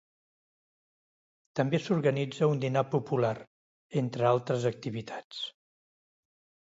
També s’organitza un dinar popular, entre altres activitats.